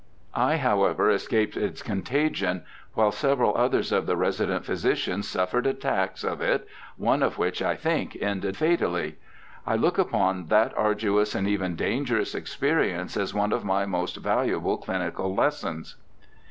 I, however, escaped its contagion, while several others of the resident physicians suffered attacks of it, one of which, I think, ended fatally. I look upon that arduous and even dangerous experience as one of my most valuable clinical lessons.'